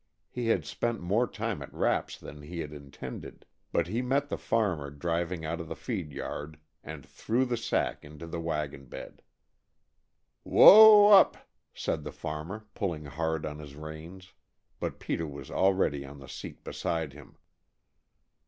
He had spent more time at Rapp's than he had intended, but he met the farmer driving out of the feed yard and threw the sack into the wagon bed. "Whoa up!" said the farmer, pulling hard on his reins, but Peter was already on the seat beside him.